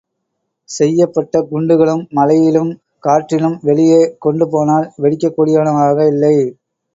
செய்யபட்ட குண்டுகளும் மழையிலும் காற்றிலும் வெளியே கொண்டுபோனால் வெடிக்கக்கூடியனவாக இல்லை.